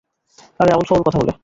আরে আউল-ফাউল কথা বলে।